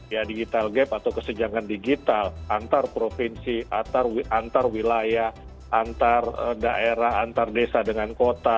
ya digital gap atau kesenjangan digital antar provinsi antar wilayah antar daerah antar desa dengan kota